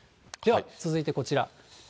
では、続いてこちら。